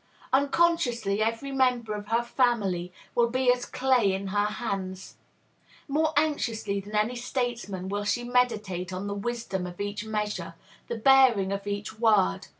Unconsciously, every member of her family will be as clay in her hands. More anxiously than any statesman will she meditate on the wisdom of each measure, the bearing of each word.